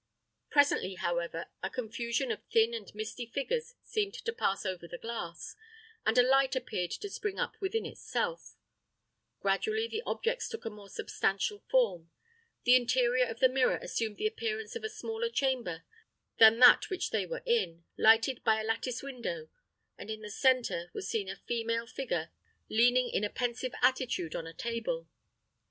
Presently, however, a confusion of thin and misty figures seemed to pass over the glass, and a light appeared to spring up within itself: gradually the objects took a more substantial form; the interior of the mirror assumed the appearance of a smaller chamber than that which they were in, lighted by a lattice window, and in the centre was seen a female figure leaning in a pensive attitude on a table.